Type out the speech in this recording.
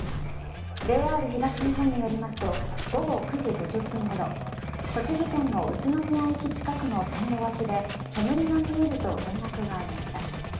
ＪＲ東日本によりますと午後９時５０分ごろ栃木県の宇都宮駅近くの線路脇で煙が見えると連絡がありました。